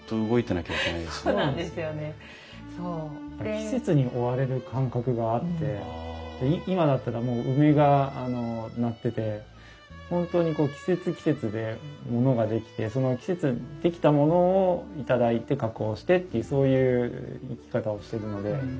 季節に追われる感覚があって今だったらもう梅がなってて本当に季節季節でものが出来てその季節に出来たものを頂いて加工してっていうそういう生き方をしてるので。